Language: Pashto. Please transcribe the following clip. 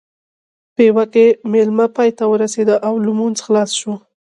پېوه کې مېله پای ته ورسېده او لمونځ خلاص شو.